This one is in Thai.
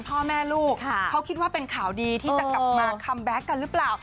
พ่อแม่ลูกเขาคิดว่าเป็นข่าวดีที่จะกลับมาคัมแบ็คกันหรือเปล่า